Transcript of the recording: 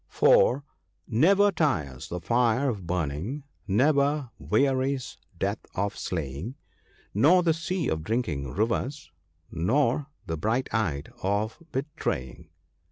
For, " Never tires the fire of burning, never wearies death of slaying, Nor the sea of drinking rivers, nor the bright eyed of betraying.